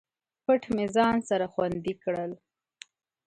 پټ مې ځان سره خوندي کړل